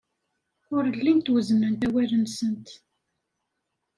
Ur llint wezznent awal-nsent.